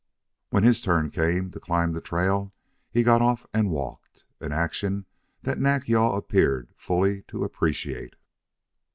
When his turn came to climb the trail he got off and walked, an action that Nack yal appeared fully to appreciate.